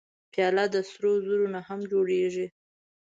پیاله د سرو زرو نه هم جوړېږي.